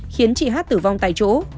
khiến chị hát tử vong tại chỗ